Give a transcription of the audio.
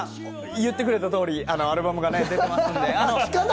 言ってくれた通り、アルバムが出ますので。